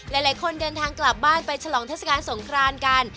หลายคนเดินทางกลับบ้านไปฉลองเทศกาลสงครานกัน